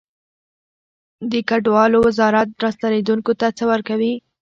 د کډوالو وزارت راستنیدونکو ته څه ورکوي؟